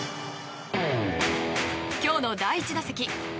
今日の第１打席。